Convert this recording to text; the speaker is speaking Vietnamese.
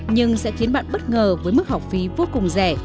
nhưng sẽ khiến bạn bất ngờ với mức học phí vô cùng rẻ